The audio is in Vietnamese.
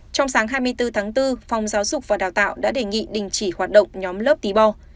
trong sáng hai mươi bốn tháng bốn phòng giáo dục và đào tạo đã đề nghị đình chỉ hoạt động nhóm lớp tí bo